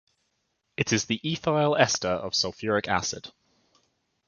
It is the ethyl ester of sulfuric acid.